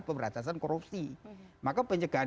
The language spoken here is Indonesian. pemerintasan korupsi maka pencegahan